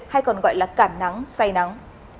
hay còn gọi là cảm nắng say nắng